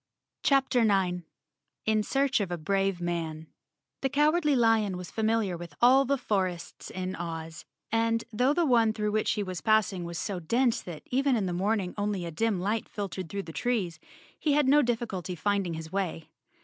CHAPTER 9 In Search of a Brave Man T HE Cowardly Lion was familiar with all the for¬ ests in Oz, and though the one through which he was passing was so dense that, even in the morning, only a dim light filtered through the trees, he had no difficulty finding his way.